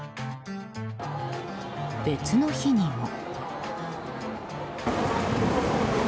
別の日にも。